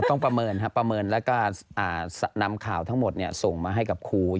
ประเมินครับประเมินแล้วก็นำข่าวทั้งหมดส่งมาให้กับครู